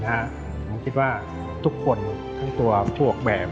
ผมคิดว่าทุกคนทั้งตัวผู้ออกแบบ